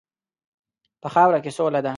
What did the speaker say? په خاوره کې سوله ده.